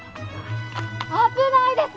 危ないです！